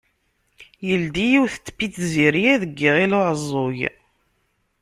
Yeldi yiwet n tpizzirya deg Iɣil-Uɛeẓẓug.